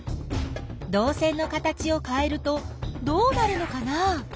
どう線の形をかえるとどうなるのかな？